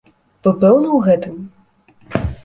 Вы пэўны ў гэтым?